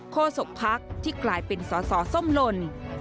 โคศกพักษ์ที่กลายเป็นสอส้มลน